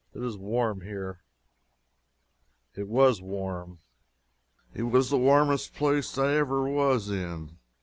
It is warm here." It was warm. It was the warmest place I ever was in.